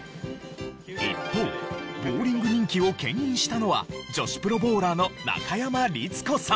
一方ボウリング人気を牽引したのは女子プロボウラーの中山律子さん。